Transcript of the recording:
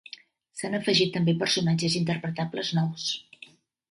S'han afegit també personatges interpretables nous.